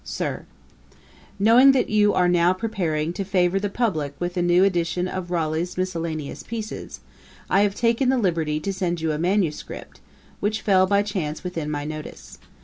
'SIR, 'Knowing that you are now preparing to favour the publick with a new edition of Ralegh's miscellaneous pieces, I have taken the liberty to send you a Manuscript, which fell by chance within my notice.